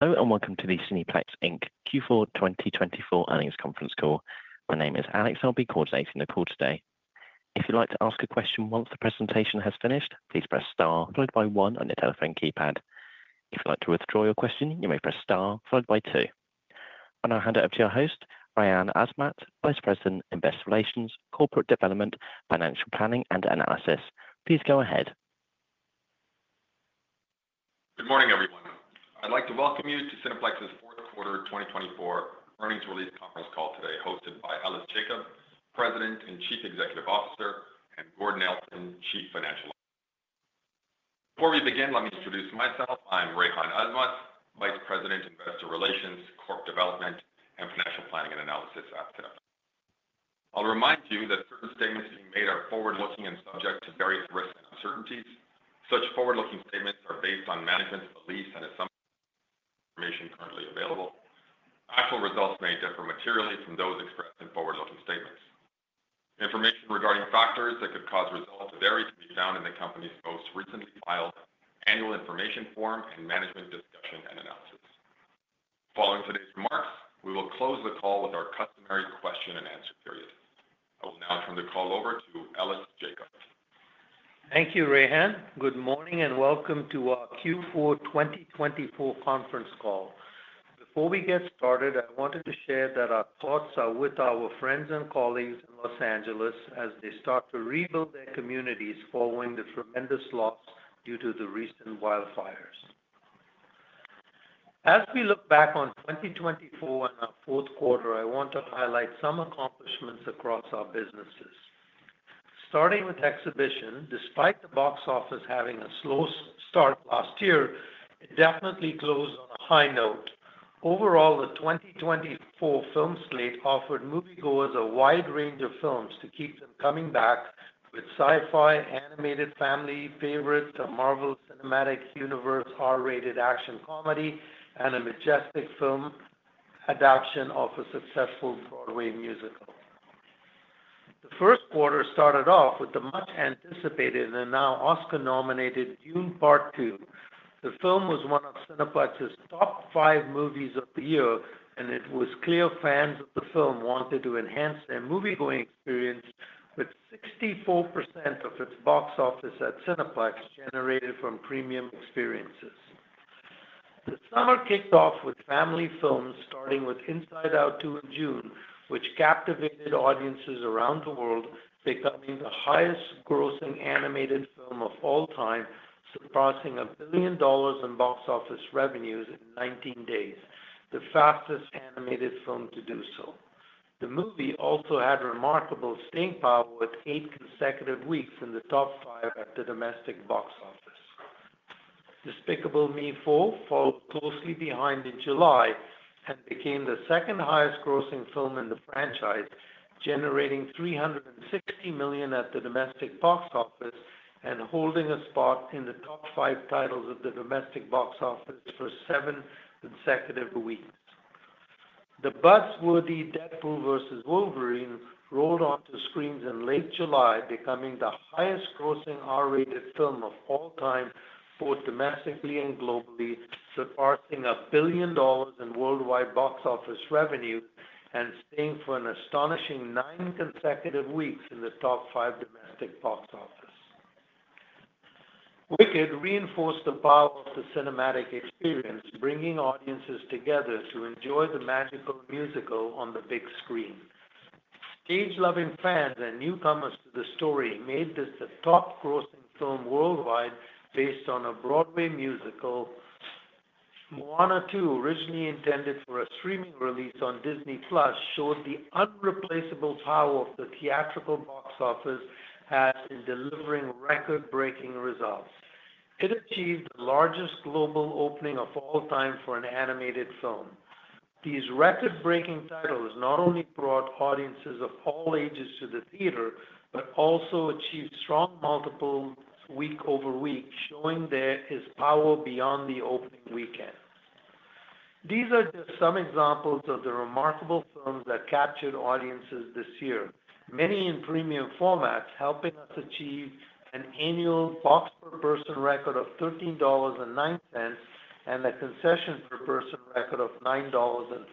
Hello and welcome to the Cineplex Inc. Q4 2024 earnings conference call. My name is Alex, and I'll be coordinating the call today. If you'd like to ask a question once the presentation has finished, please press star followed by one on your telephone keypad. If you'd like to withdraw your question, you may press star followed by two. I'll now hand it over to your host, Rayhan Azmat, Vice President, Investor Relations, Corporate Development, and Financial Planning and Analysis. Please go ahead. Good morning, everyone. I'd like to welcome you to Cineplex's fourth quarter 2024 earnings release conference call today, hosted by Ellis Jacob, President and Chief Executive Officer, and Gord Nelson, Chief Financial Officer. Before we begin, let me introduce myself. I'm Rayhan Azmat, Vice President, Investor Relations, Corporate Development, and Financial Planning and Analysis at Cineplex. I'll remind you that certain statements being made are forward-looking and subject to various risks and uncertainties. Such forward-looking statements are based on management's beliefs and assumptions and information currently available. Actual results may differ materially from those expressed in forward-looking statements. Information regarding factors that could cause results to vary can be found in the company's most recently filed annual information form and management discussion and analysis. Following today's remarks, we will close the call with our customary question-and-answer period. I will now turn the call over to Ellis Jacob. Thank you, Rayhan. Good morning and welcome to our Q4 2024 conference call. Before we get started, I wanted to share that our thoughts are with our friends and colleagues in Los Angeles as they start to rebuild their communities following the tremendous loss due to the recent wildfires. As we look back on 2024 and our fourth quarter, I want to highlight some accomplishments across our businesses. Starting with exhibition, despite the box office having a slow start last year, it definitely closed on a high note. Overall, the 2024 film slate offered moviegoers a wide range of films to keep them coming back, with sci-fi, animated family favorites, a Marvel Cinematic Universe R-rated action comedy, and a majestic film adaptation of a successful Broadway musical. The first quarter started off with the much-anticipated and now Oscar-nominated Dune: Part Two. The film was one of Cineplex's top five movies of the year, and it was clear fans of the film wanted to enhance their moviegoing experience, with 64% of its box office at Cineplex generated from premium experiences. The summer kicked off with family films, starting with Inside Out 2 in June, which captivated audiences around the world, becoming the highest-grossing animated film of all time, surpassing $1 billion in box office revenues in 19 days, the fastest animated film to do so. The movie also had remarkable staying power with eight consecutive weeks in the top five at the domestic box office. Despicable Me 4 followed closely behind in July and became the second highest-grossing film in the franchise, generating $360 million at the domestic box office and holding a spot in the top five titles of the domestic box office for seven consecutive weeks. The buzzworthy Deadpool & Wolverine rolled onto screens in late July, becoming the highest-grossing R-rated film of all time, both domestically and globally, surpassing $1 billion in worldwide box office revenues and staying for an astonishing nine consecutive weeks in the top five domestic box office. Wicked reinforced the power of the cinematic experience, bringing audiences together to enjoy the magical musical on the big screen. Stage-loving fans and newcomers to the story made this the top-grossing film worldwide based on a Broadway musical. Moana 2, originally intended for a streaming release on Disney+, showed the irreplaceable power of the theatrical box office as in delivering record-breaking results. It achieved the largest global opening of all time for an animated film. These record-breaking titles not only brought audiences of all ages to the theater but also achieved strong multiples week over week, showing there is power beyond the opening weekend. These are just some examples of the remarkable films that captured audiences this year, many in premium formats, helping us achieve an annual box per person record of 13.09 dollars and a concession per person record of 9.47 dollars.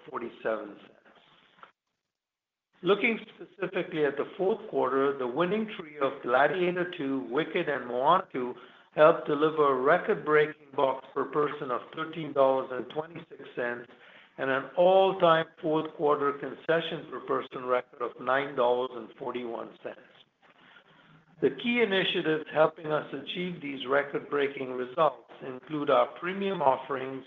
Looking specifically at the fourth quarter, the winning trio of Gladiator II, Wicked, and Moana 2 helped deliver a record-breaking box per person of 13.26 dollars and an all-time fourth quarter concession per person record of 9.41 dollars. The key initiatives helping us achieve these record-breaking results include our premium offerings,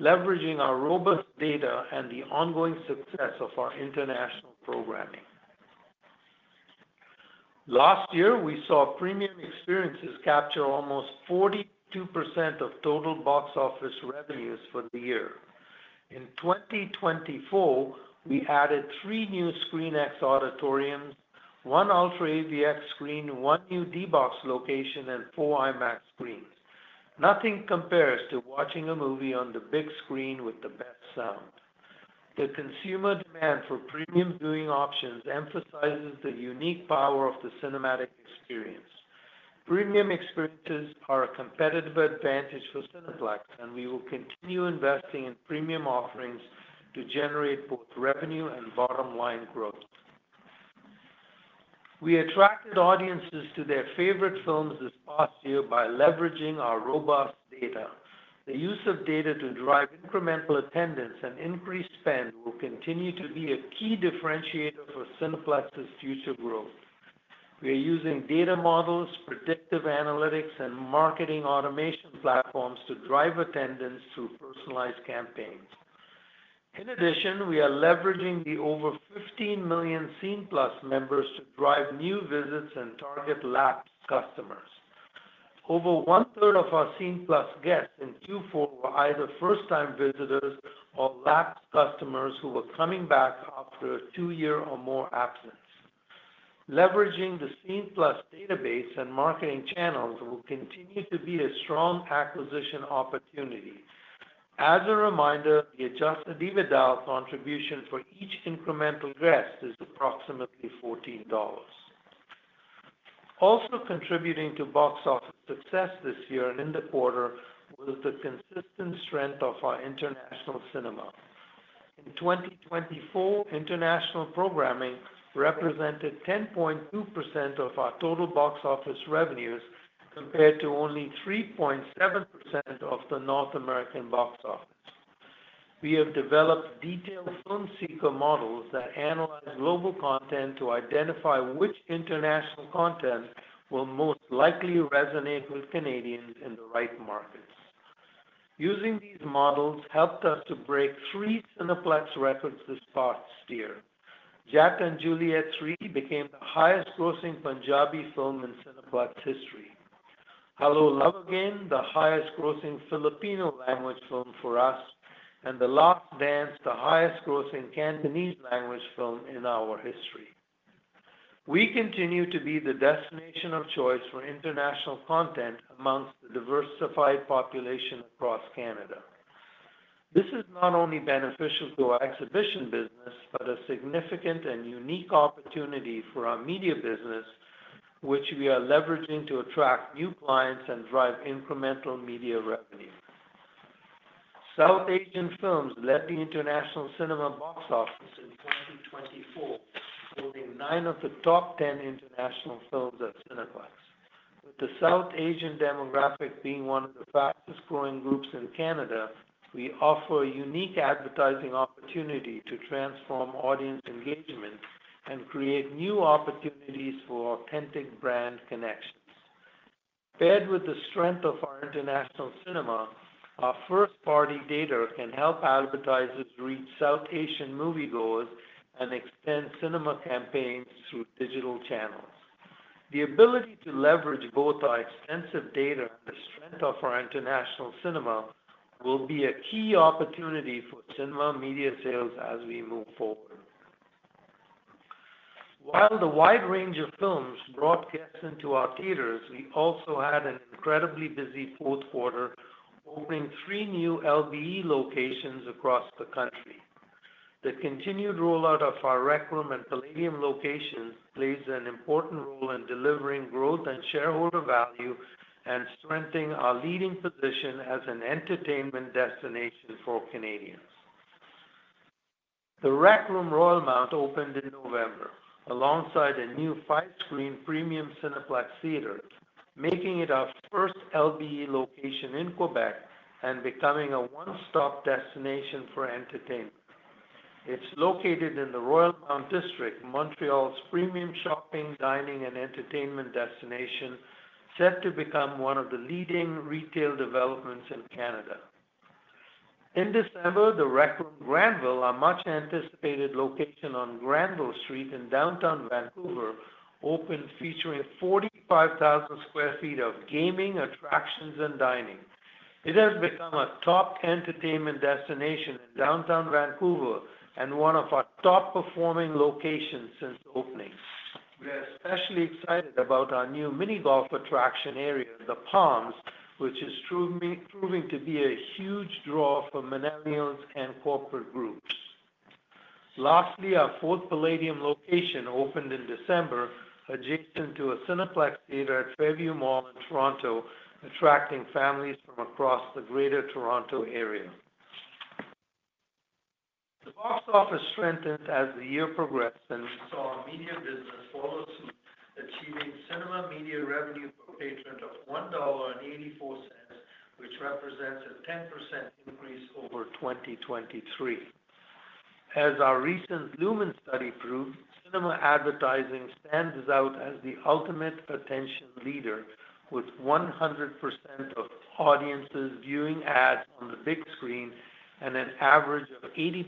leveraging our robust data, and the ongoing success of our international programming. Last year, we saw premium experiences capture almost 42% of total box office revenues for the year. In 2024, we added three new ScreenX auditoriums, one UltraAVX screen, one new D-BOX location, and four IMAX screens. Nothing compares to watching a movie on the big screen with the best sound. The consumer demand for premium viewing options emphasizes the unique power of the cinematic experience. Premium experiences are a competitive advantage for Cineplex, and we will continue investing in premium offerings to generate both revenue and bottom-line growth. We attracted audiences to their favorite films this past year by leveraging our robust data. The use of data to drive incremental attendance and increased spend will continue to be a key differentiator for Cineplex's future growth. We are using data models, predictive analytics, and marketing automation platforms to drive attendance through personalized campaigns. In addition, we are leveraging the over 15 million Cineplex members to drive new visits and target lapsed customers. Over one-third of our Cineplex guests in Q4 were either first-time visitors or lapsed customers who were coming back after a two-year or more absence. Leveraging the Cineplex database and marketing channels will continue to be a strong acquisition opportunity. As a reminder, the adjusted dividend contribution for each incremental guest is approximately 14 dollars. Also contributing to box office success this year and in the quarter was the consistent strength of our international cinema. In 2024, international programming represented 10.2% of our total box office revenues compared to only 3.7% of the North American box office. We have developed detailed film seeker models that analyze global content to identify which international content will most likely resonate with Canadians in the right markets. Using these models helped us to break three Cineplex records this past year. Jatt & Juliet 3 became the highest-grossing Punjabi film in Cineplex history. Hello, Love, Again, the highest-grossing Filipino-language film for us, and The Last Dance, the highest-grossing Cantonese-language film in our history. We continue to be the destination of choice for international content amongst the diversified population across Canada. This is not only beneficial to our exhibition business but a significant and unique opportunity for our media business, which we are leveraging to attract new clients and drive incremental media revenue. South Asian films led the international cinema box office in 2024, holding nine of the top ten international films at Cineplex. With the South Asian demographic being one of the fastest-growing groups in Canada, we offer a unique advertising opportunity to transform audience engagement and create new opportunities for authentic brand connections. Paired with the strength of our international cinema, our first-party data can help advertisers reach South Asian moviegoers and extend cinema campaigns through digital channels. The ability to leverage both our extensive data and the strength of our international cinema will be a key opportunity for cinema media sales as we move forward. While the wide range of films brought guests into our theaters, we also had an incredibly busy fourth quarter, opening three new LBE locations across the country. The continued rollout of our Rec Room and Playdium locations plays an important role in delivering growth and shareholder value and strengthening our leading position as an entertainment destination for Canadians. The Rec Room Royalmount opened in November, alongside a new five-screen premium Cineplex theater, making it our first LBE location in Quebec and becoming a one-stop destination for entertainment. It's located in the Royalmount, Montreal's premium shopping, dining, and entertainment destination, set to become one of the leading retail developments in Canada. In December, The Rec Room Granville, a much-anticipated location on Granville Street in downtown Vancouver, opened featuring 45,000 sq ft of gaming, attractions, and dining. It has become a top entertainment destination in downtown Vancouver and one of our top-performing locations since opening. We are especially excited about our new mini-golf attraction area, The Palms, which is proving to be a huge draw for millennials and corporate groups. Lastly, our fourth Playdium location opened in December, adjacent to a Cineplex theater at Fairview Mall in Toronto, attracting families from across the greater Toronto area. The box office strengthened as the year progressed, and we saw media business follow suit, achieving cinema media revenue per patron of 1.84 dollar, which represents a 10% increase over 2023. As our recent Lumen study proved, cinema advertising stands out as the ultimate attention leader, with 100% of audiences viewing ads on the big screen and an average of 80%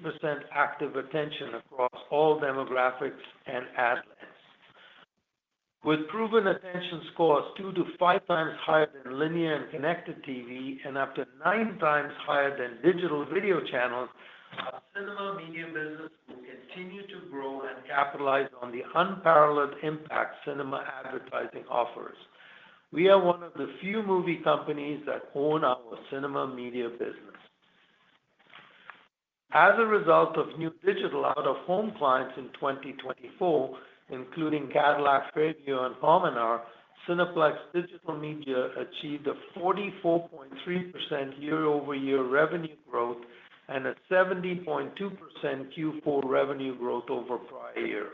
active attention across all demographics and ad lengths. With proven attention scores two to five times higher than linear and connected TV and up to nine times higher than digital video channels, our cinema media business will continue to grow and capitalize on the unparalleled impact cinema advertising offers. We are one of the few movie companies that own our cinema media business. As a result of new digital out-of-home clients in 2024, including Cadillac Fairview and Cominar, Cineplex Digital Media achieved a 44.3% year-over-year revenue growth and a 70.2% Q4 revenue growth over prior years.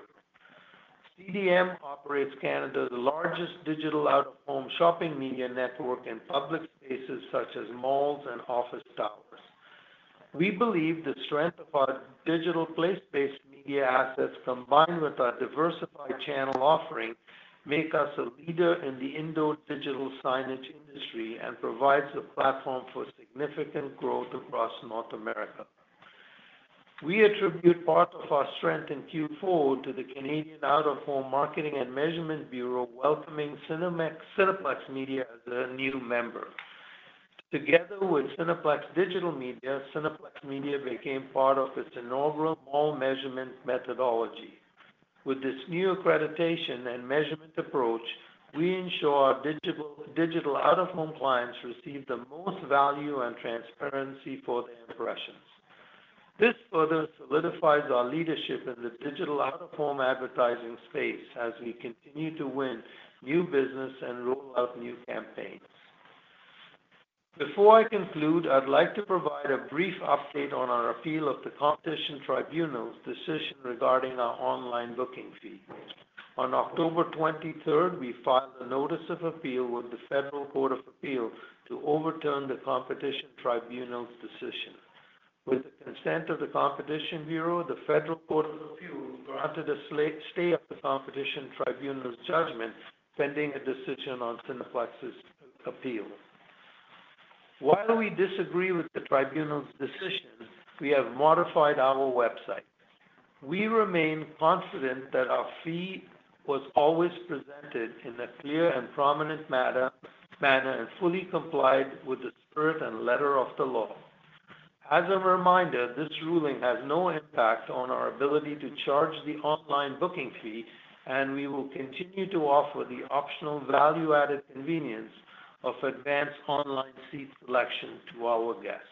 CDM operates Canada's largest digital out-of-home shopping media network in public spaces such as malls and office towers. We believe the strength of our digital place-based media assets combined with our diversified channel offering make us a leader in the indoor digital signage industry and provide a platform for significant growth across North America. We attribute part of our strength in Q4 to the Canadian Out-of-Home Marketing and Measurement Bureau welcoming Cineplex Media as a new member. Together with Cineplex Digital Media, Cineplex Media became part of its inaugural mall measurement methodology. With this new accreditation and measurement approach, we ensure our digital out-of-home clients receive the most value and transparency for their impressions. This further solidifies our leadership in the digital out-of-home advertising space as we continue to win new business and roll out new campaigns. Before I conclude, I'd like to provide a brief update on our appeal of the Competition Tribunal's decision regarding our online booking fee. On October 23rd, we filed a notice of appeal with the Federal Court of Appeal to overturn the Competition Tribunal's decision. With the consent of the Competition Bureau, the Federal Court of Appeal granted a stay of the Competition Tribunal's judgment pending a decision on Cineplex's appeal. While we disagree with the Tribunal's decision, we have modified our website. We remain confident that our fee was always presented in a clear and prominent manner and fully complied with the spirit and letter of the law. As a reminder, this ruling has no impact on our ability to charge the online booking fee, and we will continue to offer the optional value-added convenience of advanced online seat selection to our guests.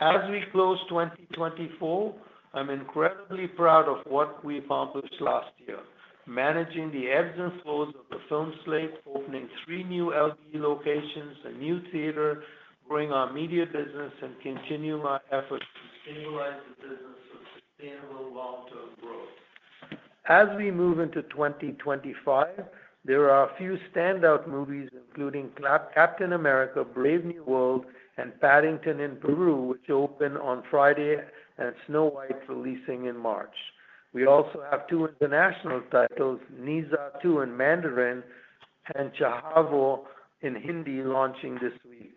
As we close 2024, I'm incredibly proud of what we accomplished last year, managing the ebbs and flows of the film slate, opening three new LBE locations, a new theater, growing our media business, and continuing our efforts to stabilize the business for sustainable long-term growth. As we move into 2025, there are a few standout movies, including Captain America: Brave New World, and Paddington in Peru, which open on Friday, and Snow White releasing in March. We also have two international titles, Ne Zha 2 in Mandarin and Chhaava in Hindi, launching this week.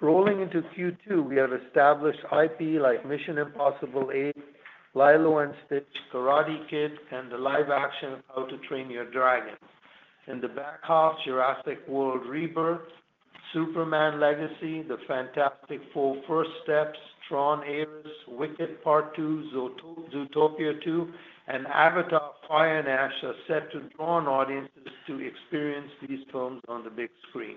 Rolling into Q2, we have established IP like Mission: Impossible 8, Lilo & Stitch, Karate Kid, and the live-action How to Train Your Dragon. In the back half, Jurassic World: Rebirth, Superman Legacy, The Fantastic Four: First Steps, Tron: Ares, Wicked Part 2, Zootopia 2, and Avatar: Fire and Ash are set to draw on audiences to experience these films on the big screen.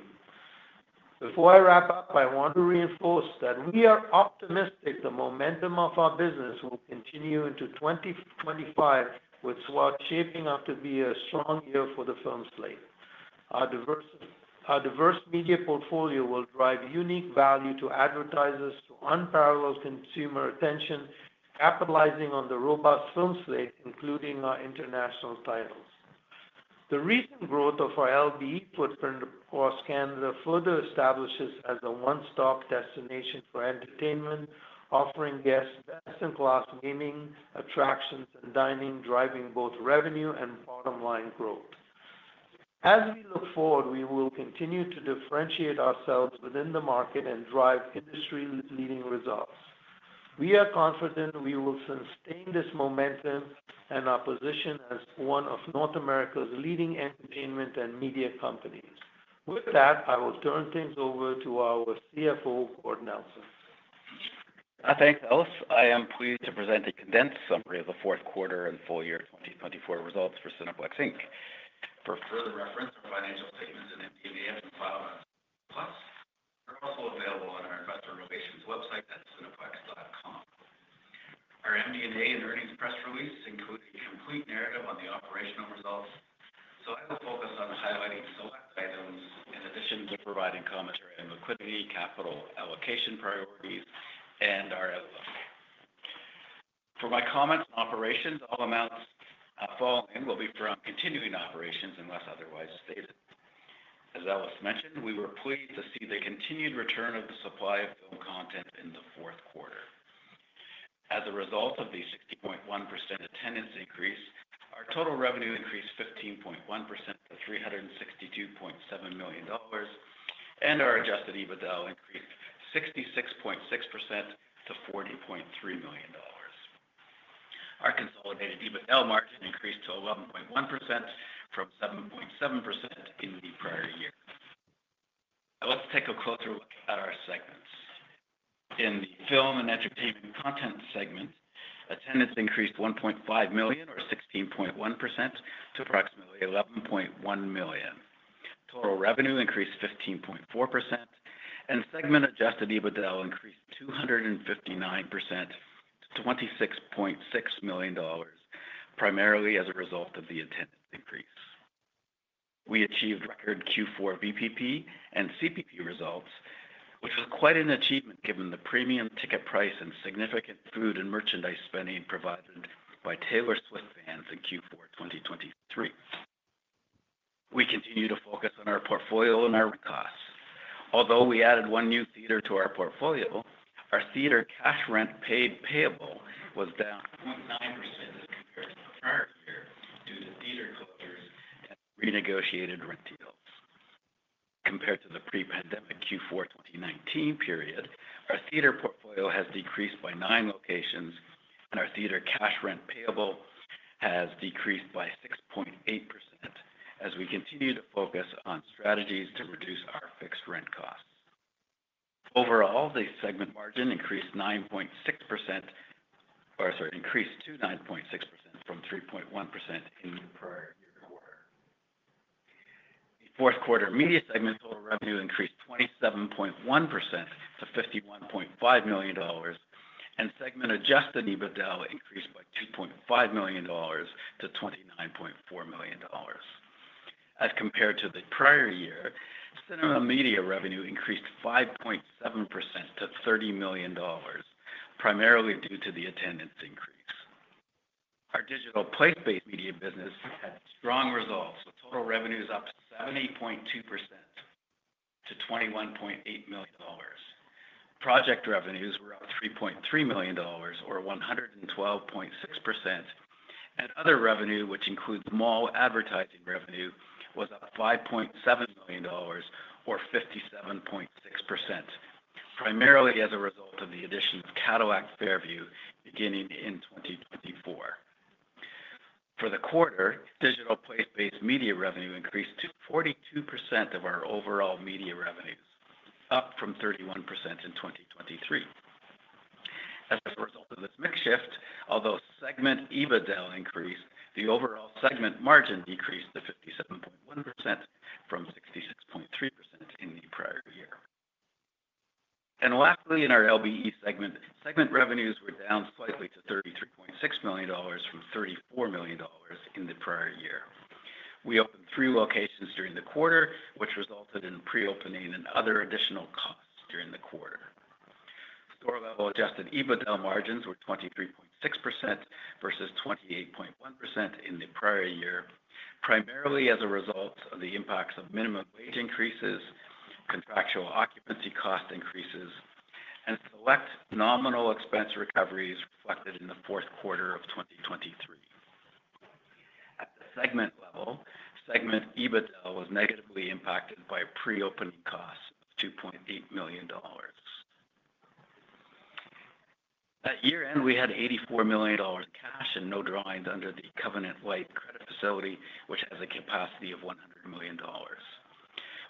Before I wrap up, I want to reinforce that we are optimistic the momentum of our business will continue into 2025, which will shape up to be a strong year for the film slate. Our diverse media portfolio will drive unique value to advertisers to unparalleled consumer attention, capitalizing on the robust film slate, including our international titles. The recent growth of our LBE footprint across Canada further establishes as a one-stop destination for entertainment, offering guests best-in-class gaming, attractions, and dining, driving both revenue and bottom-line growth. As we look forward, we will continue to differentiate ourselves within the market and drive industry-leading results. We are confident we will sustain this momentum and our position as one of North America's leading entertainment and media companies. With that, I will turn things over to our CFO, Gord Nelson. Thanks, Ellis. I am pleased to present a condensed summary of the fourth quarter and full-year 2024 results for Cineplex Inc. For further reference, our financial statements and MD&A have been filed on Cineplex. They are also available on our investor relations website at cineplex.com. Our MD&A and earnings press release include a complete narrative on the operational results. I will focus on highlighting select items in addition to providing commentary on liquidity, capital allocation priorities, and our outlook. For my comments on operations, all amounts following will be from continuing operations unless otherwise stated. As Ellis mentioned, we were pleased to see the continued return of the supply of film content in the fourth quarter. As a result of the 60.1% attendance increase, our total revenue increased 15.1% to 362.7 million dollars, and our adjusted EBITDA increased 66.6% to 40.3 million dollars. Our consolidated EBITDA margin increased to 11.1% from 7.7% in the prior year. Let's take a closer look at our segments. In the film and entertainment content segment, attendance increased 1.5 million, or 16.1%, to approximately 11.1 million. Total revenue increased 15.4%, and segment-adjusted EBITDA increased 259% to 26.6 million dollars, primarily as a result of the attendance increase. We achieved record Q4 BPP and CPP results, which was quite an achievement given the premium ticket price and significant food and merchandise spending provided by Taylor Swift fans in Q4 2023. We continue to focus on our portfolio and our costs. Although we added one new theater to our portfolio, our theater cash rent payable was down 0.9% as compared to the prior year due to theater closures and renegotiated rent deals. Compared to the pre-pandemic Q4 2019 period, our theater portfolio has decreased by nine locations, and our theater cash rent payable has decreased by 6.8% as we continue to focus on strategies to reduce our fixed rent costs. Overall, the segment margin increased to 9.6% from 3.1% in the prior year quarter. The fourth quarter media segment total revenue increased 27.1% to 51.5 million dollars, and segment-adjusted EBITDA increased by 2.5 million dollars to 29.4 million dollars. As compared to the prior year, cinema media revenue increased 5.7% to 30 million dollars, primarily due to the attendance increase. Our digital place-based media business had strong results, with total revenues up 70.2% to 21.8 million dollars. Project revenues were up 3.3 million dollars, or 112.6%, and other revenue, which includes mall advertising revenue, was up 5.7 million dollars, or 57.6%, primarily as a result of the addition of Cadillac Fairview beginning in 2024. For the quarter, digital place-based media revenue increased to 42% of our overall media revenues, up from 31% in 2023. As a result of this mix shift, although segment EBITDA increased, the overall segment margin decreased to 57.1% from 66.3% in the prior year. Lastly, in our LBE segment, segment revenues were down slightly to 33.6 million dollars from 34 million dollars in the prior year. We opened three locations during the quarter, which resulted in pre-opening and other additional costs during the quarter. Store-level adjusted EBITDA margins were 23.6% versus 28.1% in the prior year, primarily as a result of the impacts of minimum wage increases, contractual occupancy cost increases, and select nominal expense recoveries reflected in the fourth quarter of 2023. At the segment level, segment EBITDA was negatively impacted by pre-opening costs of 2.8 million dollars. At year-end, we had 84 million dollars cash and no drawings under the "covenant-lite" credit facility, which has a capacity of 100 million dollars.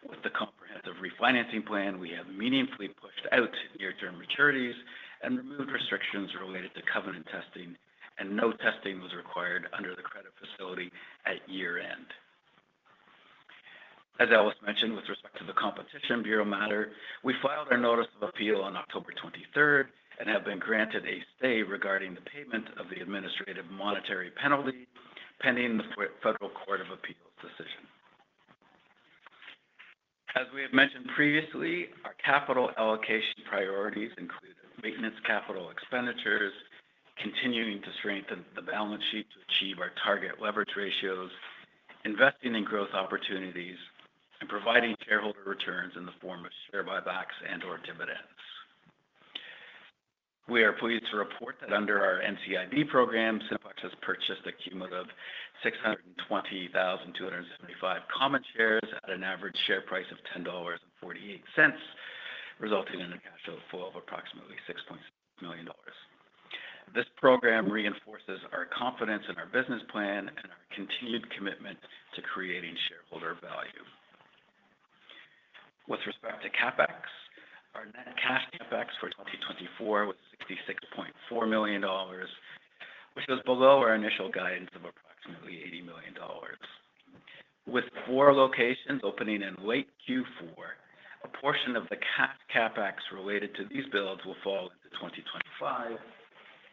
With the comprehensive refinancing plan, we have meaningfully pushed out near-term maturities and removed restrictions related to covenant testing, and no testing was required under the credit facility at year-end. As Ellis mentioned, with respect to the Competition Bureau matter, we filed our notice of appeal on October 23rd and have been granted a stay regarding the payment of the administrative monetary penalty pending the Federal Court of Appeal's decision. As we have mentioned previously, our capital allocation priorities include maintenance capital expenditures, continuing to strengthen the balance sheet to achieve our target leverage ratios, investing in growth opportunities, and providing shareholder returns in the form of share buybacks and/or dividends. We are pleased to report that under our NCIB program, Cineplex has purchased a cumulative 620,275 common shares at an average share price of $10.48, resulting in a cash flow of approximately $6.6 million. This program reinforces our confidence in our business plan and our continued commitment to creating shareholder value. With respect to CapEx, our net cash CapEx for 2024 was $66.4 million, which was below our initial guidance of approximately $80 million. With four locations opening in late Q4, a portion of the cash CapEx related to these builds will fall into 2025,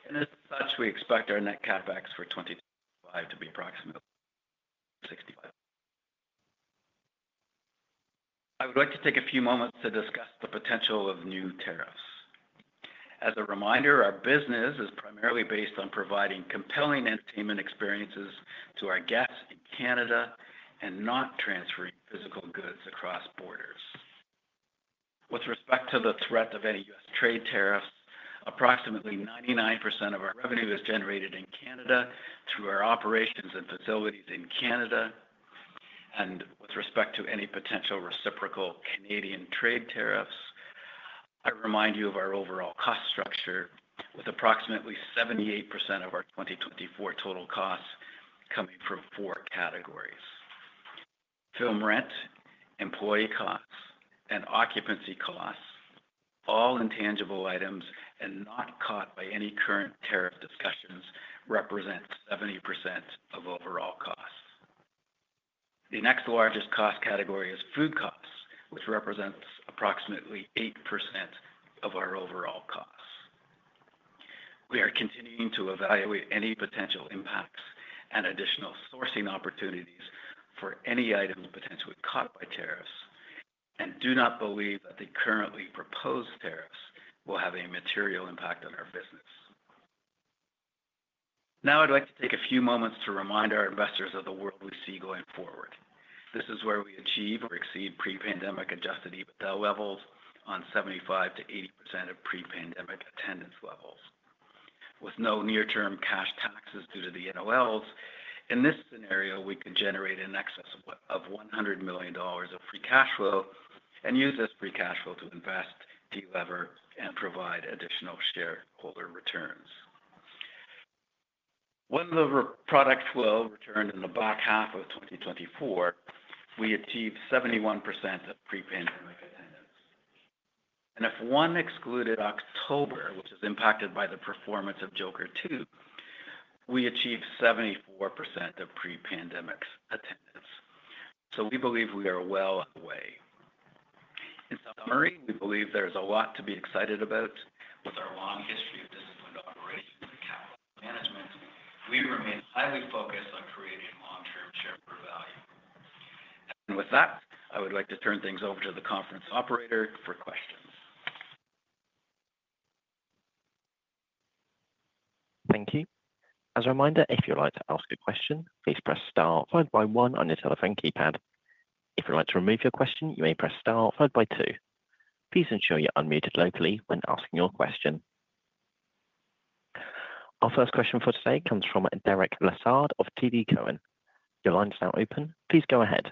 and as such, we expect our net CapEx for 2025 to be approximately 65 million. I would like to take a few moments to discuss the potential of new tariffs. As a reminder, our business is primarily based on providing compelling entertainment experiences to our guests in Canada and not transferring physical goods across borders. With respect to the threat of any U.S. trade tariffs, approximately 99% of our revenue is generated in Canada through our operations and facilities in Canada. And with respect to any potential reciprocal Canadian trade tariffs, I remind you of our overall cost structure, with approximately 78% of our 2024 total costs coming from four categories: film rent, employee costs, and occupancy costs. All intangible items not caught by any current tariff discussions represent 70% of overall costs. The next largest cost category is food costs, which represents approximately 8% of our overall costs. We are continuing to evaluate any potential impacts and additional sourcing opportunities for any items potentially caught by tariffs and do not believe that the currently proposed tariffs will have a material impact on our business. Now, I'd like to take a few moments to remind our investors of the world we see going forward. This is where we achieve or exceed pre-pandemic Adjusted EBITDA levels on 75%-80% of pre-pandemic attendance levels. With no near-term cash taxes due to the NOLs, in this scenario, we could generate an excess of 100 million dollars of free cash flow and use this free cash flow to invest, deliver, and provide additional shareholder returns. When the product will return in the back half of 2024, we achieve 71% of pre-pandemic attendance. And if one excluded October, which is impacted by the performance of Joker 2, we achieve 74% of pre-pandemic attendance. So we believe we are well on the way. In summary, we believe there is a lot to be excited about. With our long history of disciplined operations and capital management, we remain highly focused on creating long-term shareholder value. And with that, I would like to turn things over to the conference operator for questions. Thank you. As a reminder, if you'd like to ask a question, please press Star followed by 1 on your telephone keypad. If you'd like to remove your question, you may press Star followed by 2. Please ensure you're unmuted locally when asking your question. Our first question for today comes from Derek Lessard of TD Cowen. Your line is now open. Please go ahead.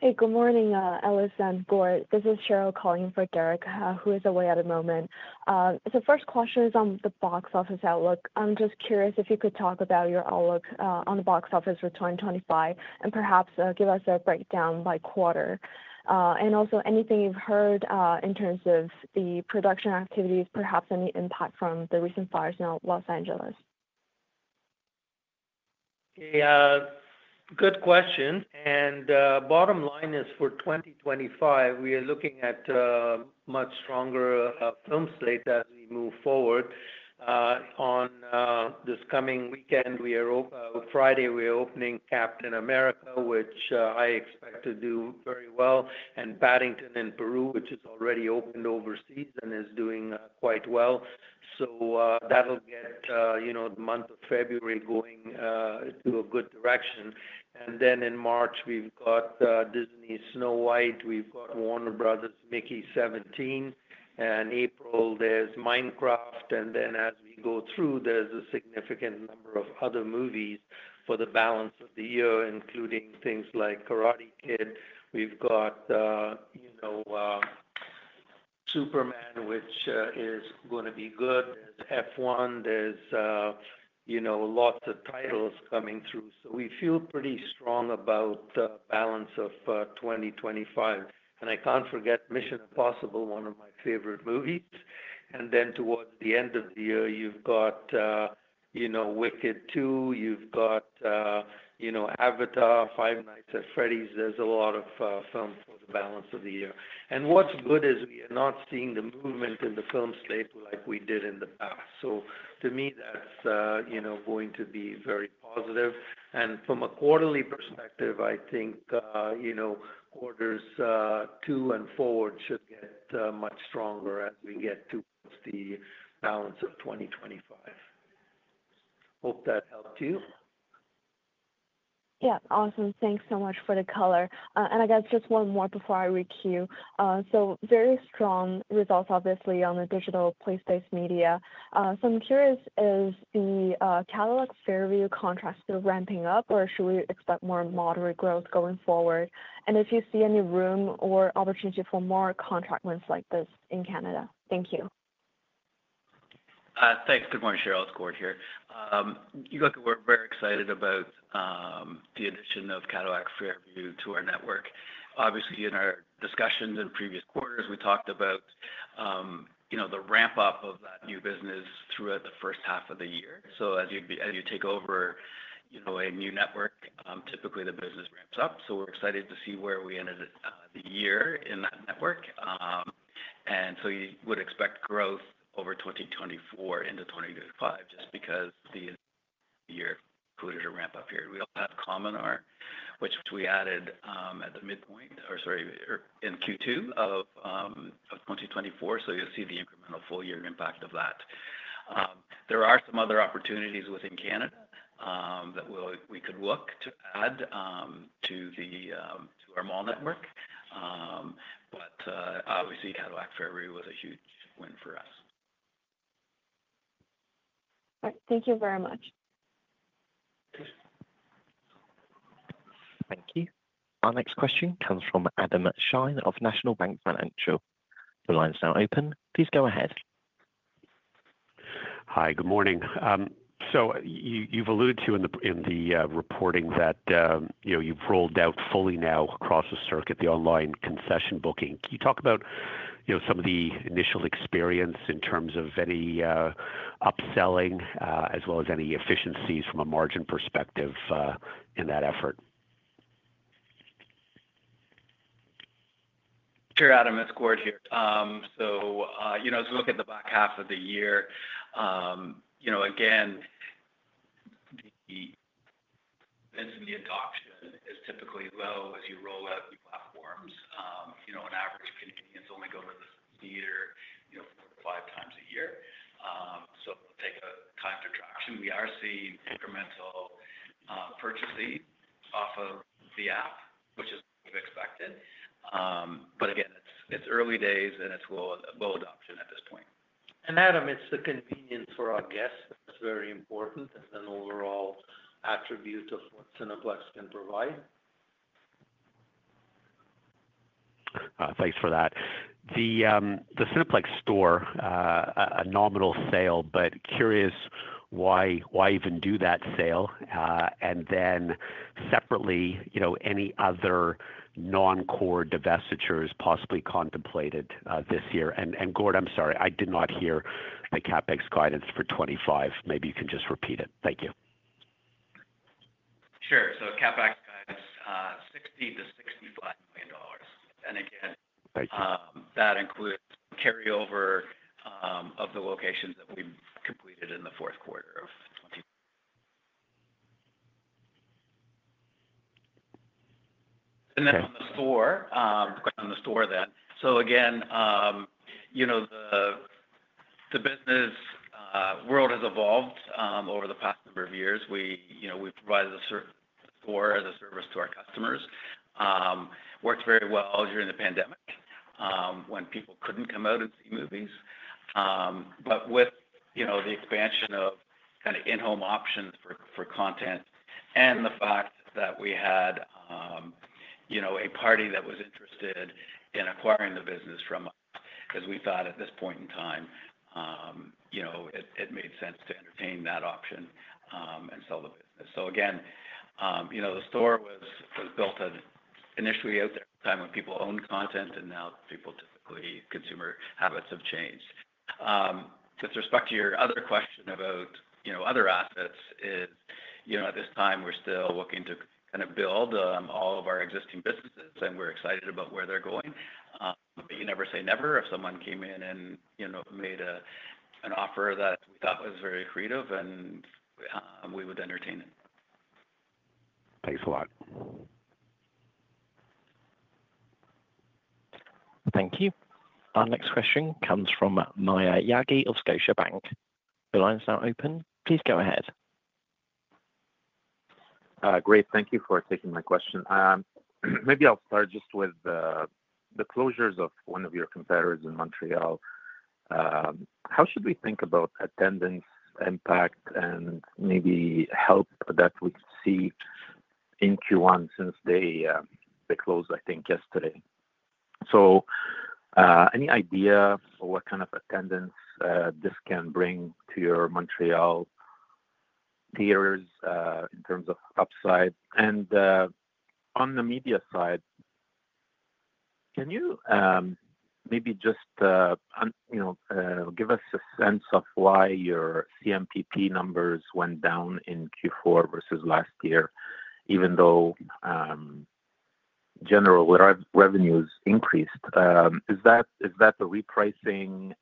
Hey, good morning, Ellis and Gord. This is Cheryl calling for Derek, who is away at the moment. So first question is on the box office outlook. I'm just curious if you could talk about your outlook on the box office for 2025 and perhaps give us a breakdown by quarter. And also anything you've heard in terms of the production activities, perhaps any impact from the recent fires in Los Angeles. Yeah, good question. And bottom line is for 2025, we are looking at a much stronger film slate as we move forward. On this coming weekend, we are Friday, we are opening Captain America, which I expect to do very well, and Paddington in Peru, which has already opened overseas and is doing quite well. So that'll get the month of February going to a good direction. And then in March, we've got Disney Snow White, we've got Warner Bros. Mickey 17. In April, there's Minecraft, and then as we go through, there's a significant number of other movies for the balance of the year, including things like Karate Kid. We've got Superman, which is going to be good. There's F1. There's lots of titles coming through. So we feel pretty strong about the balance of 2025. And I can't forget Mission: Impossible, one of my favorite movies. And then towards the end of the year, you've got Wicked 2, you've got Avatar, Five Nights at Freddy's. There's a lot of film for the balance of the year. And what's good is we are not seeing the movement in the film slate like we did in the past. So to me, that's going to be very positive. From a quarterly perspective, I think quarters two and forward should get much stronger as we get towards the balance of 2025. Hope that helped you. Yeah, awesome. Thanks so much for the color. I guess just one more before I hand it back: so very strong results, obviously, on the digital place-based media. So I'm curious, is the Cadillac Fairview contracts still ramping up, or should we expect more moderate growth going forward? And if you see any room or opportunity for more contract wins like this in Canada? Thank you. Thanks. Good morning, Cheryl. It's Gord here. As you look at, we're very excited about the addition of Cadillac Fairview to our network. Obviously, in our discussions in previous quarters, we talked about the ramp-up of that new business throughout the first half of the year. So as you take over a new network, typically the business ramps up. We're excited to see where we ended the year in that network. And so you would expect growth over 2024 into 2025 just because the year included a ramp-up here. We also have Cominar, which we added at the midpoint, or sorry, in Q2 of 2024. So you'll see the incremental full-year impact of that. There are some other opportunities within Canada that we could look to add to our mall network. But obviously, Cadillac Fairview was a huge win for us. Thank you very much. Thank you. Our next question comes from Adam Shine of National Bank Financial. The line is now open. Please go ahead. Hi, good morning. So you've alluded to in the reporting that you've rolled out fully now across the circuit, the online concession booking. Can you talk about some of the initial experience in terms of any upselling as well as any efficiencies from a margin perspective in that effort? Sure, Adam. Gord here. As we look at the back half of the year, again, the adoption is typically low as you roll out new platforms. On average, Canadians only go to the theater four to five times a year. So it takes time to gain traction. We are seeing incremental purchasing off of the app, which is what we've expected. But again, it's early days and it's low adoption at this point. Adam, it's the convenience for our guests. That's very important. That's an overall attribute of what Cineplex can provide. Thanks for that. The Cineplex Store, a nominal sale, but curious why even do that sale. And then separately, any other non-core divestitures possibly contemplated this year? Gord, I'm sorry, I did not hear the CapEx guidance for 2025. Maybe you can just repeat it. Thank you. Sure. CapEx guidance, 60 million-65 million dollars. Again, that includes carryover of the locations that we completed in the fourth quarter of 2024. Then on the store, going on the store then. Again, the business world has evolved over the past number of years. We provide the store as a service to our customers. It worked very well during the pandemic when people couldn't come out and see movies. With the expansion of kind of in-home options for content and the fact that we had a party that was interested in acquiring the business from us, we thought at this point in time it made sense to entertain that option and sell the business. So again, the store was built initially out there at the time when people owned content, and now people typically consumer habits have changed. With respect to your other question about other assets, at this time, we're still looking to kind of build all of our existing businesses, and we're excited about where they're going. But you never say never if someone came in and made an offer that we thought was very creative, and we would entertain it. Thanks a lot. Thank you. Our next question comes from Maher Yaghi of Scotiabank. The line is now open. Please go ahead. Great. Thank you for taking my question. Maybe I'll start just with the closures of one of your competitors in Montreal. How should we think about attendance impact and maybe help that we see in Q1 since they closed, I think, yesterday? So any idea what kind of attendance this can bring to your Montreal theaters in terms of upside? And on the media side, can you maybe just give us a sense of why your CMPP numbers went down in Q4 versus last year, even though general revenues increased? Is that a repricing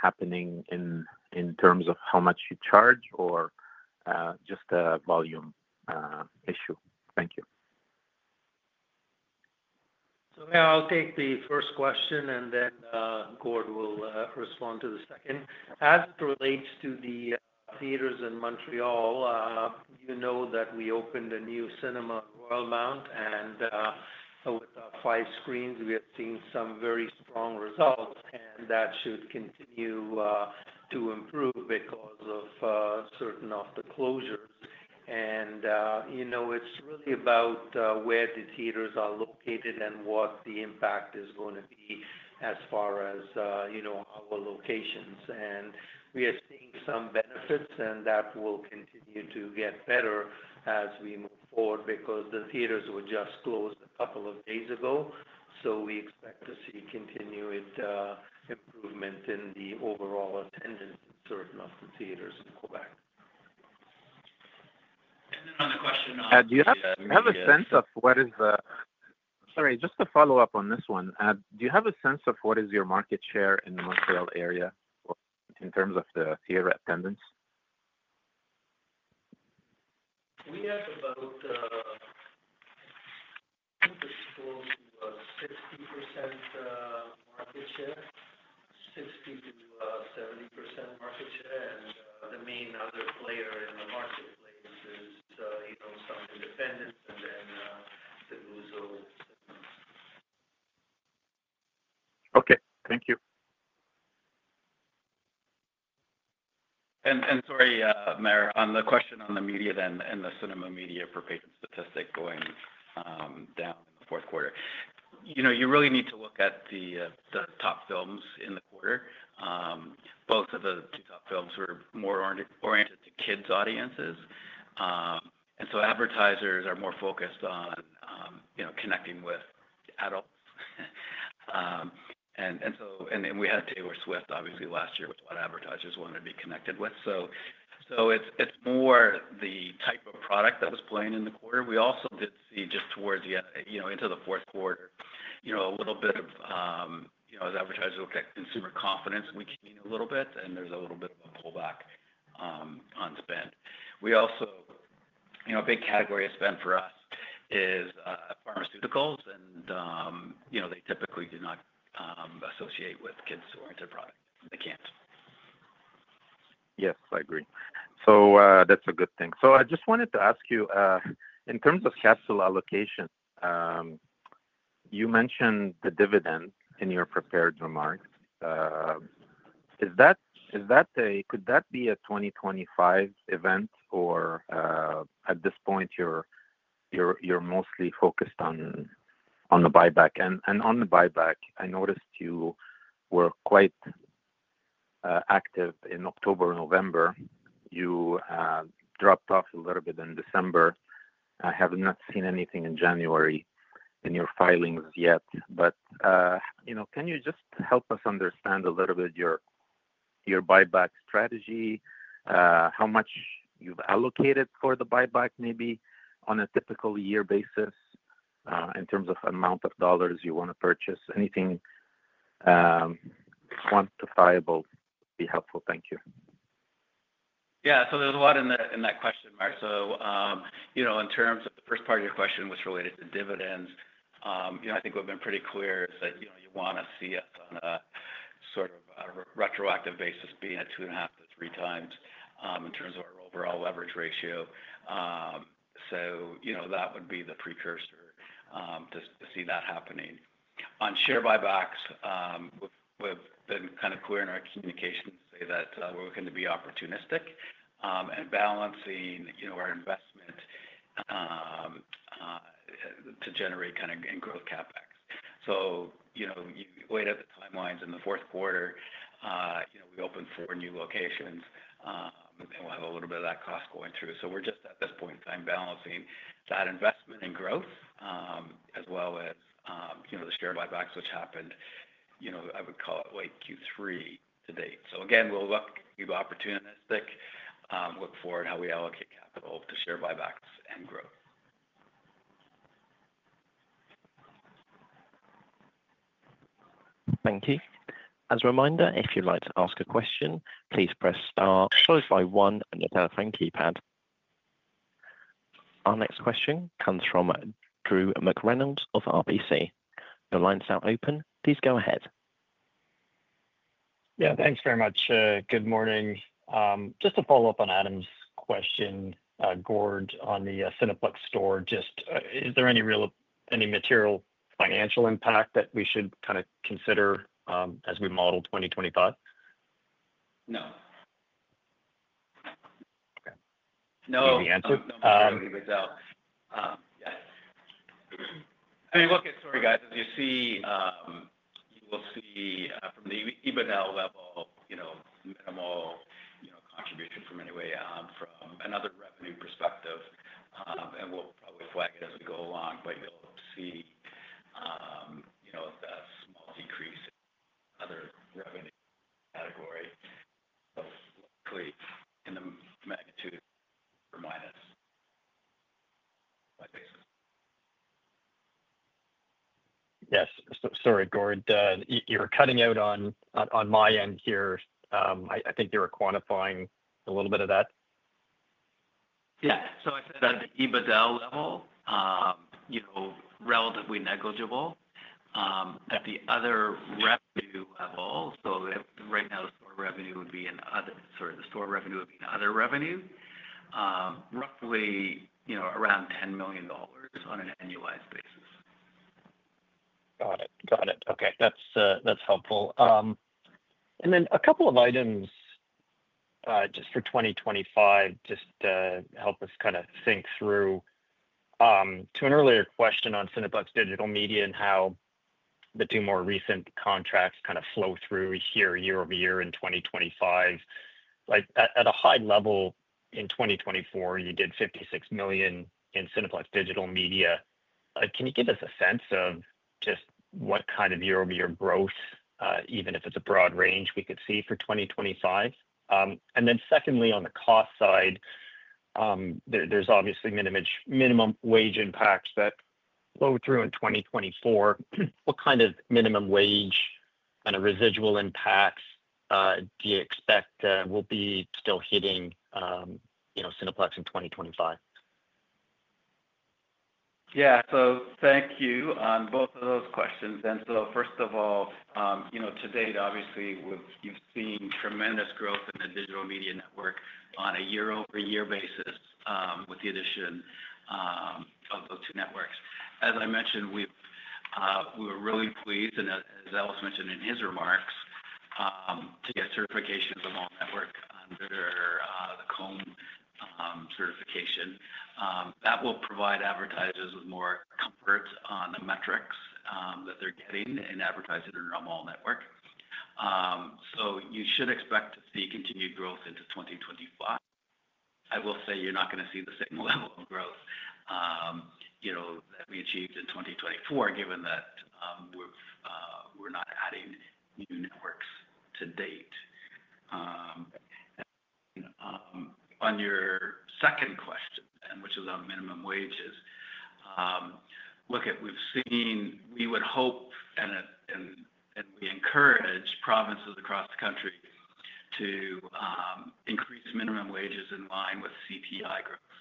happening in terms of how much you charge or just a volume issue? Thank you. So now I'll take the first question, and then Gord will respond to the second. As it relates to the theaters in Montreal, you know that we opened a new cinema, Royalmount, and with our five screens, we have seen some very strong results, and that should continue to improve because of certain of the closures. And it's really about where the theaters are located and what the impact is going to be as far as our locations. And we are seeing some benefits, and that will continue to get better as we move forward because the theaters were just closed a couple of days ago. So we expect to see continued improvement in the overall attendance in certain of the theaters in Quebec. And then on the question of. Do you have a sense of what is the—sorry, just to follow up on this one. Do you have a sense of what is your market share in the Montreal area in terms of the theater attendance? We have about 60% market share, 60%-70% market share. And the main other player in the marketplace is some independents and then the Guzzo. Okay. Thank you. Sorry, Maher, on the question on the media ad then and the cinema media ad spend statistics going down in the fourth quarter, you really need to look at the top films in the quarter. Both of the two top films were more oriented to kids' audiences. And so advertisers are more focused on connecting with adults. And we had Taylor Swift, obviously, last year with what advertisers wanted to be connected with. So it's more the type of product that was playing in the quarter. We also did see just towards the end of the fourth quarter a little bit of, as advertisers looked at consumer confidence, we came in a little bit, and there's a little bit of a pullback on spend. We also, a big category of spend for us is pharmaceuticals, and they typically do not associate with kids-oriented products. They can't. Yes, I agree. So that's a good thing. So I just wanted to ask you, in terms of capital allocation, you mentioned the dividend in your prepared remarks. Is that a - could that be a 2025 event, or at this point, you're mostly focused on the buyback? And on the buyback, I noticed you were quite active in October and November. You dropped off a little bit in December. I have not seen anything in January in your filings yet. But can you just help us understand a little bit your buyback strategy, how much you've allocated for the buyback maybe on a typical year basis in terms of amount of dollars you want to purchase? Anything quantifiable would be helpful. Thank you. Yeah. So there's a lot in that question, Maher. So, in terms of the first part of your question, which related to dividends, I think we've been pretty clear that you want to see us on a sort of retroactive basis being at two and a half to three times in terms of our overall leverage ratio. So that would be the precursor to see that happening. On share buybacks, we've been kind of clear in our communications to say that we're going to be opportunistic and balancing our investment to generate kind of growth CapEx. So you wait at the timelines in the fourth quarter. We open four new locations, and we'll have a little bit of that cost going through. So we're just at this point in time balancing that investment and growth as well as the share buybacks, which happened, I would call it late Q3 to date. So again, we'll look to be opportunistic, look forward how we allocate capital to share buybacks and growth. Thank you. As a reminder, if you'd like to ask a question, please press star followed by one on your telephone keypad. Our next question comes from Drew McReynolds of RBC. Your line is now open. Please go ahead. Yeah. Thanks very much. Good morning. Just to follow up on Adam's question, Gord, on the Cineplex store, just is there any material financial impact that we should kind of consider as we model 2025? No. No. Maybe answer? No. I mean, look, sorry, guys. As you see, you will see from the EBITDA level, minimal contribution from any way from another revenue perspective. And we'll probably flag it as we go along, but you'll see a small decrease in other revenue category of likely in the magnitude or minus five basis. Yes. Sorry, Gord, you're cutting out on my end here. I think you were quantifying a little bit of that. Yeah. So I said at the EBITDA level, relatively negligible. At the other revenue level, so right now, the store revenue would be in other, sorry, the store revenue would be in other revenues, roughly around 10 million dollars on an annualized basis. Got it. Got it. Okay. That's helpful. And then a couple of items just for 2025, just to help us kind of think through. To an earlier question on Cineplex Digital Media and how the two more recent contracts kind of flow through here year-over-year in 2025, at a high level in 2024, you did 56 million in Cineplex Digital Media. Can you give us a sense of just what kind of year-over-year growth, even if it's a broad range, we could see for 2025? And then secondly, on the cost side, there's obviously minimum wage impacts that flow through in 2024. What kind of minimum wage and residual impacts do you expect will be still hitting Cineplex in 2025? Yeah. So thank you on both of those questions. And so first of all, to date, obviously, you've seen tremendous growth in the digital media network on a year-over-year basis with the addition of those two networks. As I mentioned, we were really pleased, and as Ellis mentioned in his remarks, to get certifications of our network under the COMMB certification. That will provide advertisers with more comfort on the metrics that they're getting in advertising around our network. So you should expect to see continued growth into 2025. I will say you're not going to see the same level of growth that we achieved in 2024, given that we're not adding new networks to date. On your second question, which is on minimum wages, look, we would hope and we encourage provinces across the country to increase minimum wages in line with CPI growth.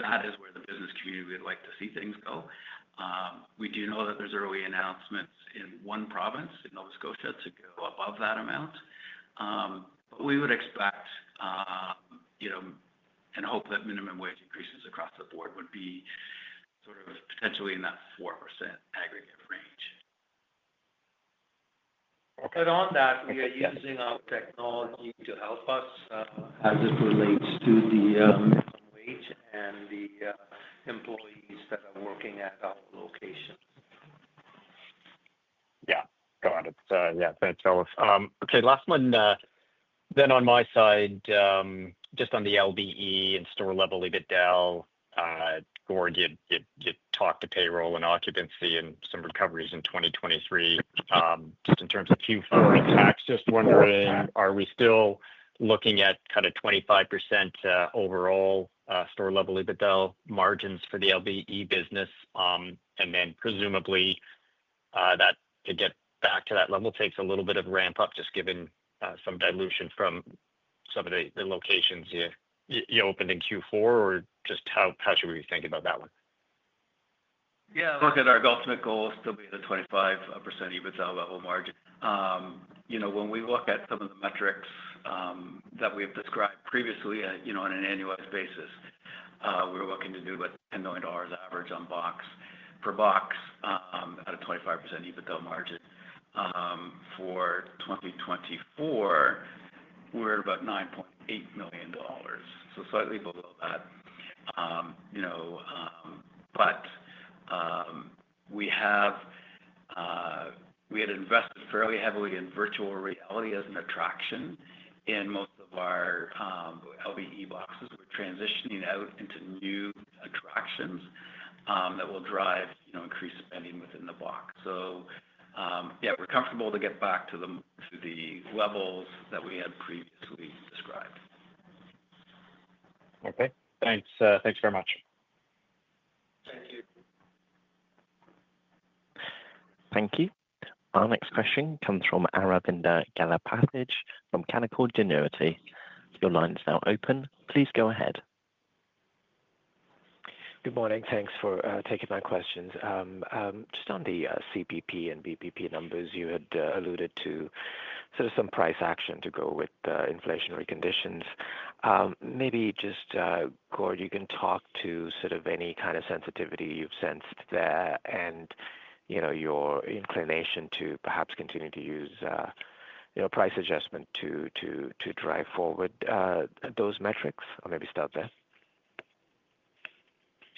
That is where the business community would like to see things go. We do know that there's early announcements in one province in Nova Scotia to go above that amount. But we would expect and hope that minimum wage increases across the board would be sort of potentially in that 4% aggregate range. And on that, we are using our technology to help us as it relates to the minimum wage and the employees that are working at our locations. Yeah. Got it. Yeah. Thanks, Ellis. Okay. Last one. On my side, just on the LBE and store level EBITDA, Gord, you talked about payroll and occupancy and some recoveries in 2023. Just in terms of Q4 talks, just wondering, are we still looking at kind of 25% overall store level EBITDA margins for the LBE business? And then presumably, to get back to that level, takes a little bit of ramp-up just given some dilution from some of the locations you opened in Q4, or just how should we think about that one? Yeah. Look, our ultimate goal is still to be at a 25% EBITDA level margin. When we look at some of the metrics that we have described previously on an annualized basis, we're looking to do about 10 million dollars average on box per box at a 25% EBITDA margin. For 2024, we're at about 9.8 million dollars, so slightly below that. But we had invested fairly heavily in virtual reality as an attraction in most of our LBE boxes. We're transitioning out into new attractions that will drive increased spending within the box. So yeah, we're comfortable to get back to the levels that we had previously described. Okay. Thanks. Thanks very much. Thank you. Thank you. Our next question comes from Aravinda Galappatthige from Canaccord Genuity. Your line is now open. Please go ahead. Good morning. Thanks for taking my questions. Just on the CPP and BPP numbers, you had alluded to sort of some price action to go with inflationary conditions. Maybe just, Gord, you can talk to sort of any kind of sensitivity you've sensed there and your inclination to perhaps continue to use price adjustment to drive forward those metrics, or maybe start there.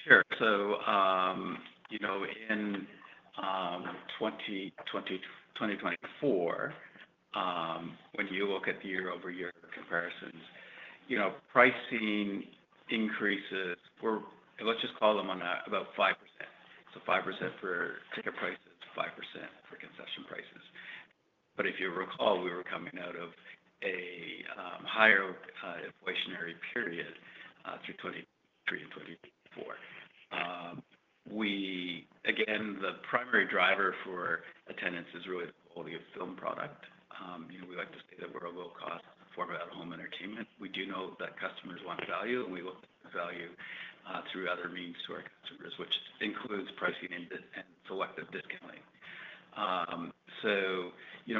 Sure. So in 2024, when you look at the year-over-year comparisons, pricing increases were, let's just call them about 5%. So 5% for ticket prices, 5% for concession prices. But if you recall, we were coming out of a higher inflationary period through 2023 and 2024. Again, the primary driver for attendance is really the quality of film product. We like to say that we're a low-cost form of home entertainment. We do know that customers want value, and we look at value through other means to our customers, which includes pricing and selective discounting. So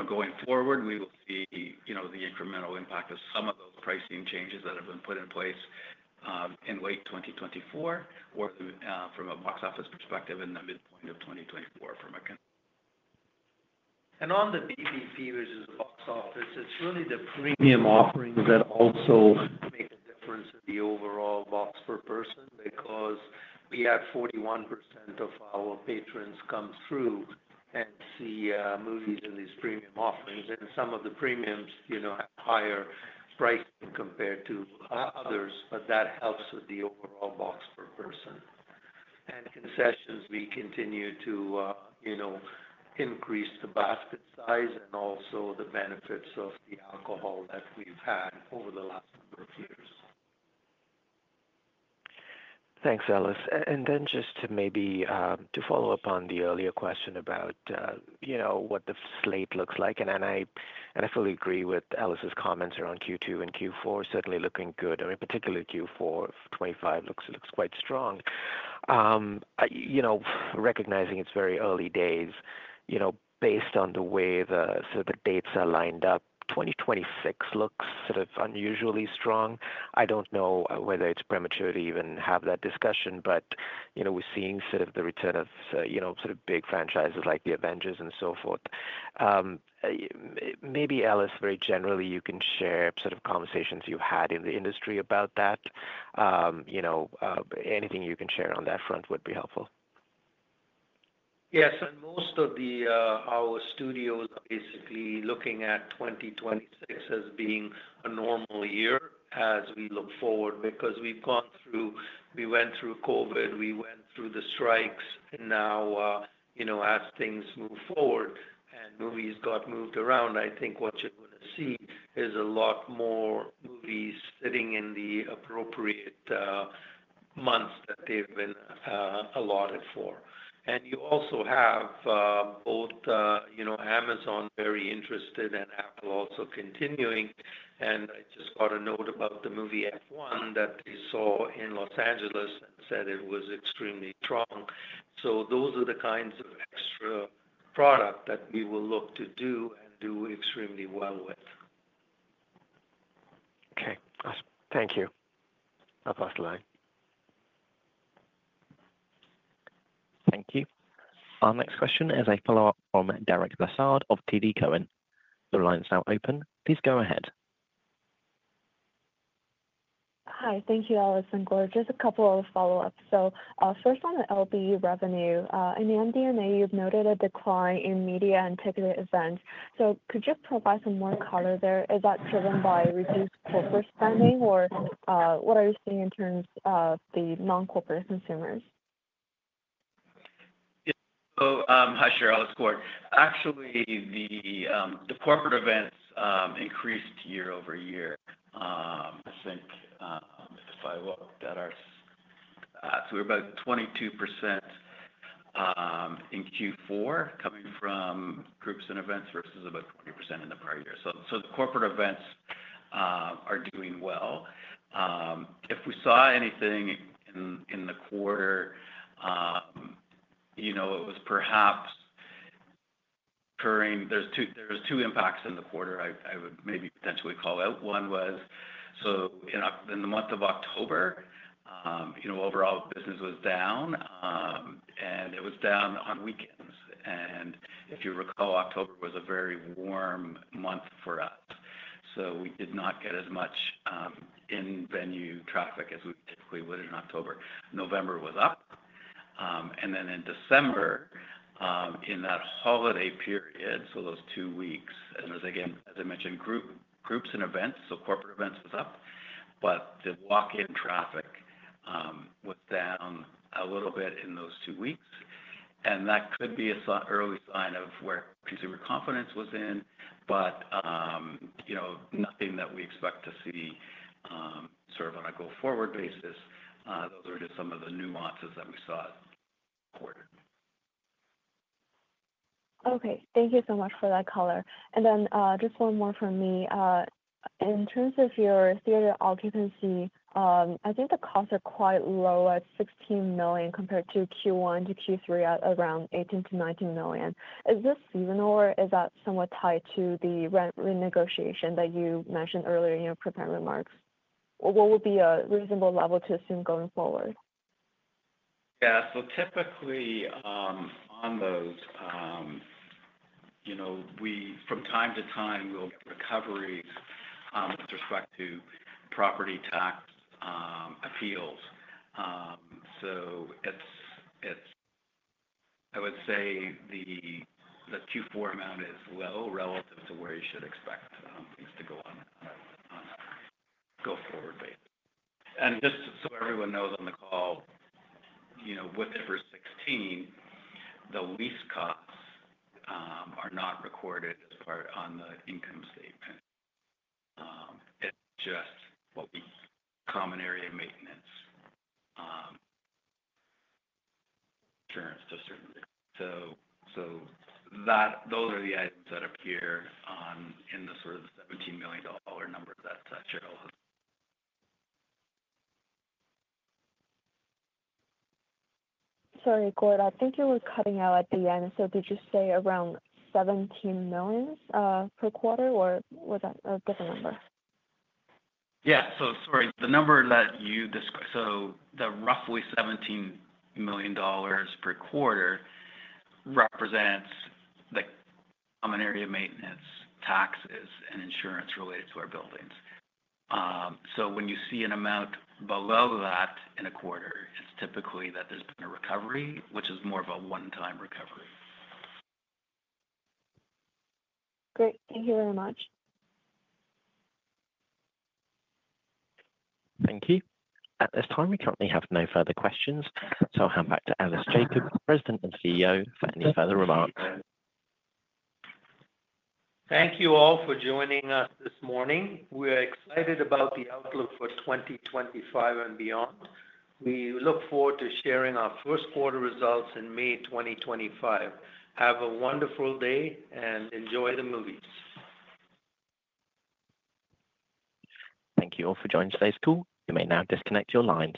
going forward, we will see the incremental impact of some of those pricing changes that have been put in place in late 2024 or from a box office perspective in the midpoint of 2024. On the BPP, which is a box office, it's really the premium offerings that also make a difference in the overall box per person because we have 41% of our patrons come through and see movies in these premium offerings. Some of the premiums have higher pricing compared to others, but that helps with the overall box per person. And concessions, we continue to increase the basket size and also the benefits of the alcohol that we've had over the last number of years. Thanks, Ellis. Then just to maybe follow up on the earlier question about what the slate looks like, and I fully agree with Ellis's comments around Q2 and Q4, certainly looking good. I mean, particularly Q4 of 2025 looks quite strong. Recognizing it's very early days, based on the way the sort of the dates are lined up, 2026 looks sort of unusually strong. I don't know whether it's premature to even have that discussion, but we're seeing sort of the return of sort of big franchises like the Avengers and so forth. Maybe, Ellis, very generally, you can share sort of conversations you've had in the industry about that. Anything you can share on that front would be helpful. Yes, and most of our studios are basically looking at 2026 as being a normal year as we look forward because we've gone through—we went through COVID. We went through the strikes. And now, as things move forward and movies got moved around, I think what you're going to see is a lot more movies sitting in the appropriate months that they've been allotted for. And you also have both Amazon very interested and Apple also continuing. And I just got a note about the movie F1 that they saw in Los Angeles and said it was extremely strong. So those are the kinds of extra product that we will look to do and do extremely well with. Okay. Awesome. Thank you. That's last line. Thank you. Our next question is a follow-up from Derek Lessard of TD Cowen. The line is now open. Please go ahead. Hi. Thank you, Ellis and Gord. Just a couple of follow-ups. So first on the LBE revenue, in the MD&A, you've noted a decline in media and ticketed events. So could you provide some more color there? Is that driven by reduced corporate spending, or what are you seeing in terms of the non-corporate consumers? Yeah. So hi, sure. Gord Actually, the corporate events increased year-over-year. I think if I looked at our, so we're about 22% in Q4 coming from groups and events versus about 20% in the prior year. So the corporate events are doing well. If we saw anything in the quarter, it was perhaps occurring. There were two impacts in the quarter I would maybe potentially call out. One was, so in the month of October, overall business was down, and it was down on weekends. And if you recall, October was a very warm month for us. So we did not get as much in-venue traffic as we typically would in October. November was up. And then in December, in that holiday period, so those two weeks, and as I mentioned, groups and events, so corporate events was up, but the walk-in traffic was down a little bit in those two weeks. That could be an early sign of where consumer confidence was in, but nothing that we expect to see sort of on a go-forward basis. Those are just some of the nuances that we saw this quarter. Okay. Thank you so much for that color. Then just one more from me. In terms of your theater occupancy, I think the costs are quite low at 16 million compared to Q1 to Q3 at around 18-19 million. Is this seasonal, or is that somewhat tied to the rent renegotiation that you mentioned earlier in your prepared remarks? What would be a reasonable level to assume going forward? Yeah. So typically, on those, from time to time, we'll get recoveries with respect to property tax appeals. So I would say the Q4 amount is low relative to where you should expect things to go on a go-forward basis. Just so everyone knows on the call, with IFRS 16, the lease costs are not recorded as part of the income statement. It's just common area maintenance insurance, so certainly. Those are the items that appear in the sort of 17 million dollar number that Cheryl has. Sorry, Gord. I think you were cutting out at the end. Did you say around 17 million per quarter, or was that a different number? Yeah. Sorry. The number that you described, the roughly 17 million dollars per quarter represents the common area maintenance taxes and insurance related to our buildings. When you see an amount below that in a quarter, it's typically that there's been a recovery, which is more of a one-time recovery. Great. Thank you very much. Thank you. At this time, we currently have no further questions. So I'll hand back to Ellis Jacob, President and CEO, for any further remarks. Thank you all for joining us this morning. We are excited about the outlook for 2025 and beyond. We look forward to sharing our first quarter results in May 2025. Have a wonderful day and enjoy the movies. Thank you all for joining today's call. You may now disconnect your lines.